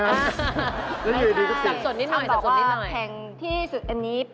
ต้องอยู่ดีกว่าทีนี้สับสนนิดสับสนนิดหน่อยใช่คำนำว่าแห่งที่สุดอันนี้